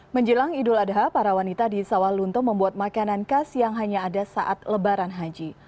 menjelang idul adha para wanita di sawah lunto membuat makanan khas yang hanya ada saat lebaran haji